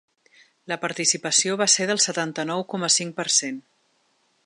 La participació va ser del setanta-nou coma cinc per cent.